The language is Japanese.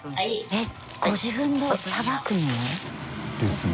えっご自分でさばくの？ですね。